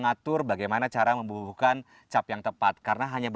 maksimum setiga dua